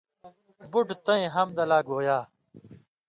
بُٹہ تئیں حمدہ لہ گویا